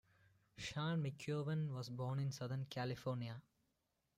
Sean McKeown was born in Southern California.